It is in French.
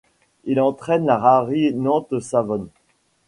Il entraîne la Rari Nantes Savone.